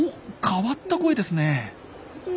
変わった声ですね。